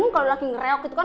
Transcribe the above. kalau lagi ngereok gitu kan